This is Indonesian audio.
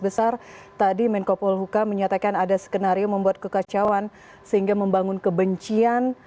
besar tadi menko polhuka menyatakan ada skenario membuat kekacauan sehingga membangun kebencian